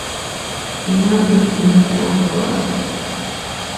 Imapin unuta apawaq?